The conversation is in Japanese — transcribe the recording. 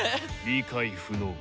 理解不能。